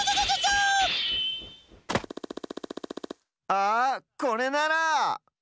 あこれなら！